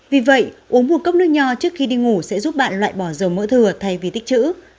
vì vậy uống một cốc nước nho trước khi đi ngủ sẽ giúp bạn loại bỏ dầu mỡ thừa thay vì tích chữ